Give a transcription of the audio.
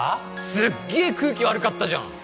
すっげえ空気悪かったじゃん